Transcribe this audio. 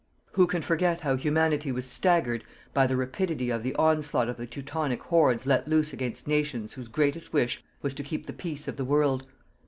Who can forget how Humanity was staggered by the rapidity of the onslaught of the Teutonic hordes let loose against nations whose greatest wish was to keep the peace of the world?